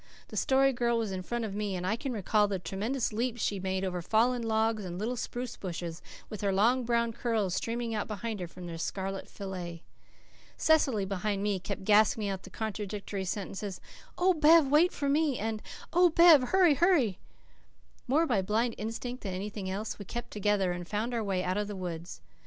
The Story Girl was in front of me, and I can recall the tremendous leaps she made over fallen logs and little spruce bushes, with her long brown curls streaming out behind her from their scarlet fillet. Cecily, behind me, kept gasping out the contradictory sentences, "Oh, Bev, wait for me," and "Oh, Bev, hurry, hurry!" More by blind instinct than anything else we kept together and found our way out of the woods.